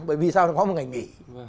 bởi vì sao nó có một ngày nghỉ